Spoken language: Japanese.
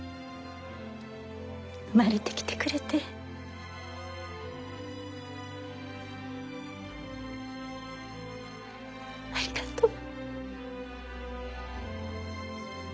生まれてきてくれてありがとう。